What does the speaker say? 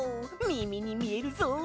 みみにみえるぞ！